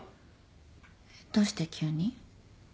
どうして急に？